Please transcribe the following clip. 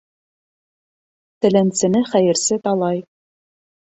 Теләнсене хәйерсе талай.